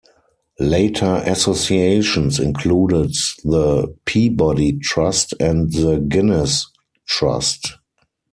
Later associations included the Peabody Trust, and the Guinness Trust.